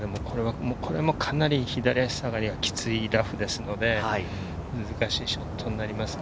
これもかなり左足下がりがキツいラフですので、難しいショットになりますね。